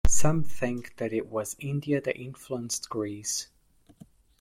Some think that it was India that influenced Greece.